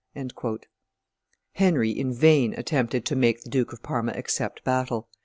Henry in vain attempted to make the Duke of Parma accept battle.